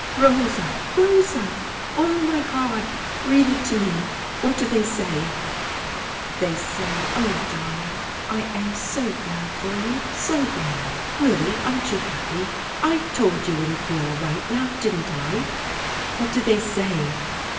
"Rosa, Rosa! Oh, my God! Read it to me! What do they say?" "They say. ... Oh, darling, I am so glad for you, so glad! Willy, aren't you happy? I told you it'd be all right, now didn't I?" "What do they say?"